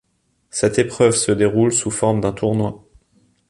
Cette épreuve se déroule sous forme d'un tournoi.